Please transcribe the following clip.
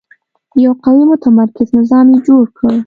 یو قوي متمرکز نظام یې جوړ کړ.